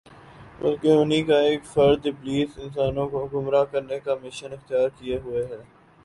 بلکہ انھی کا ایک فرد ابلیس انسانوں کو گمراہ کرنے کا مشن اختیار کیے ہوئے ہے